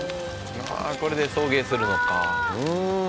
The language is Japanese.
これで送迎するのかぁ。